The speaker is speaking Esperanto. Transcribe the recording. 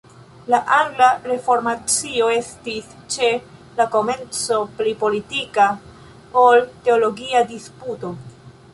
La angla reformacio estis ĉe la komenco pli politika ol teologia disputo.